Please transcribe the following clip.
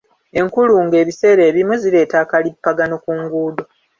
Enkulungo ebiseera ebimu zireeta akalippagano ku luguudo.